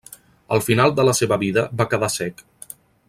Al final de la seva vida va quedar cec.